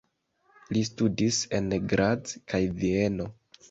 Li studis en Graz kaj Vieno.